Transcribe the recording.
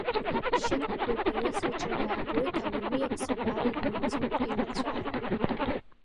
Шьынқәба ипоезиаҿы иаабоит ауаҩи аԥсабареи ринтимтә еилаҵәара.